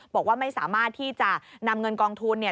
บอกว่าไม่สามารถที่จะนำเงินกองทุนเนี่ย